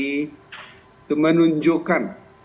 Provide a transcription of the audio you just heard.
itu menunjukkan niat baik